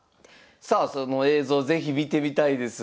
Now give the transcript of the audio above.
さあその映像是非見てみたいです。